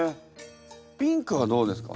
ピンクはどうですか？